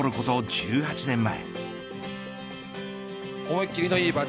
１８年前。